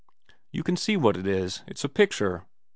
' You can see what it is. It's a picture.'